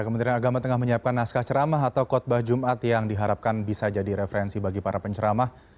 kementerian agama tengah menyiapkan naskah ceramah atau khutbah jumat yang diharapkan bisa jadi referensi bagi para penceramah